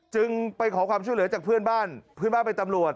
ไปขอความช่วยเหลือจากเพื่อนบ้านเพื่อนบ้านเป็นตำรวจ